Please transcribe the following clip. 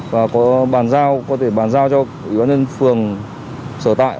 và có bàn giao có thể bàn giao cho ủy ban nhân phường sở tại